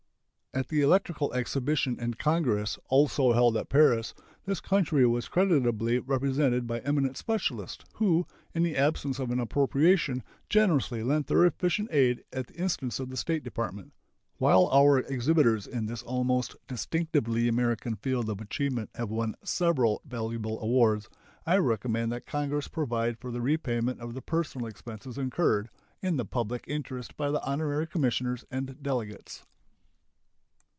At the Electrical Exhibition and Congress, also held at Paris, this country was creditably represented by eminent specialists, who, in the absence of an appropriation, generously lent their efficient aid at the instance of the State Department. While our exhibitors in this almost distinctively American field of achievement have won several valuable awards, I recommend that Congress provide for the repayment of the personal expenses incurred in the public interest by the honorary commissioners and delegates.